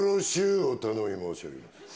お頼み申し上げます。